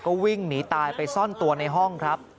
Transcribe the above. ก็วิ่งหนีตายไปซ่อนตัวในห้องครับ